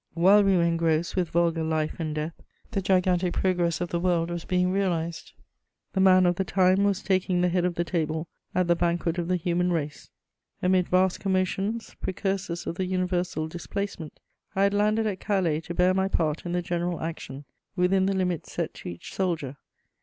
* While we were engrossed with vulgar life and death, the gigantic progress of the world was being realized; the Man of the Time was taking the head of the table at the banquet of the human race. Amid vast commotions, precursors of the universal displacement, I had landed at Calais to bear my part in the general action, within the limits set to each soldier.